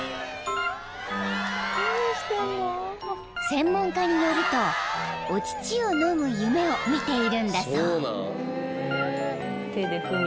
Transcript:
［専門家によるとお乳を飲む夢を見ているんだそう］